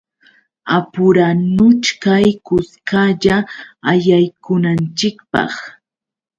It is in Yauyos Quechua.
Apuranuchkay kuskalla allaykunanchikpaq.